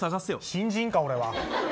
新人か、俺は。